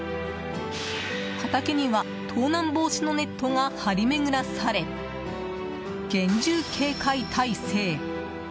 畑には、盗難防止のネットが張り巡らされ厳重警戒体制。